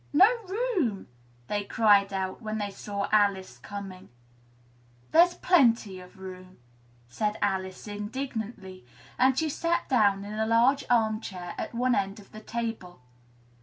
No room!" they cried out when they saw Alice coming. "There's plenty of room!" said Alice indignantly, and she sat down in a large arm chair at one end of the table.